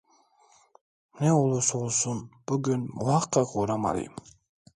Ne olursa olsun, bugün muhakkak uğramalıyım.